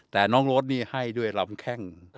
แต่น้องรถนี่ให้ด้วยลำแข้ง